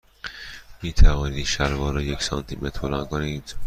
می توانید این شلوار را یک سانتی متر بلند کنید؟